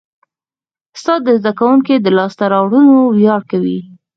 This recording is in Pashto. استاد د زده کوونکي د لاسته راوړنو ویاړ کوي.